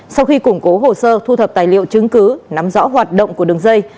sau khi củng cố hồ sơ thu thập tài liệu chứng cứ nắm rõ hoạt động của đường dây